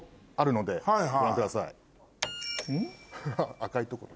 赤い所に。